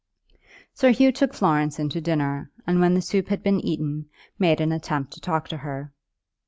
Sir Hugh took Florence in to dinner, and when the soup had been eaten made an attempt to talk to her.